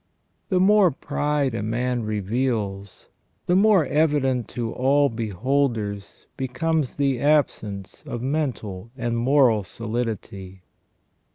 The more pride a man reveals, the more evident to all be holders becomes the absence of mental and moral solidity.